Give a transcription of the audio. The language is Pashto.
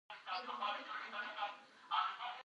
د کندهار هرات لاره لويه لار پر ميوند تيريږي .